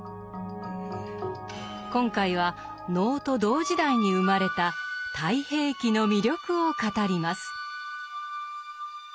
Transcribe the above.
今回は能と同時代に生まれた「太平記」の魅力を語ります。